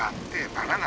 バナナ！